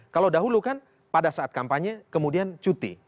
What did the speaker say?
kalau dahulu kan pada saat kampanye kemudian cuti